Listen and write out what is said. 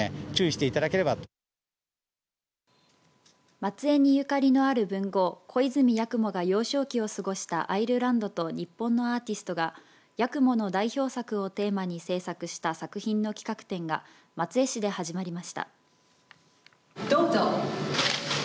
松江にゆかりのある文豪小泉八雲が幼少期を過ごしたアイルランドと日本のアーティストが八雲の代表作をテーマに制作した作品の企画展が松江市で始まりました。